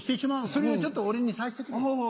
それをちょっと俺にさしてくれ。